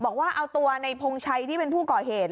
กลัวตัวในพงชัยที่เป็นผู้ก่อเหตุ